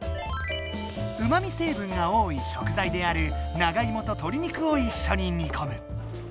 うまみ成分が多い食材である長いもととり肉をいっしょに煮こむ。